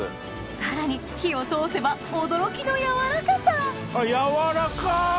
さらに火を通せば驚きのやわらかさやわらかっ！